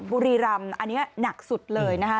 บุรีรำอันนี้หนักสุดเลยนะคะ